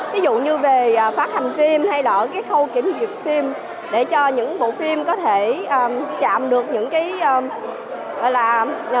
ví dụ như về phát hành phim hay là khâu kiểm duyệt phim để cho những bộ phim có thể chạm được những cái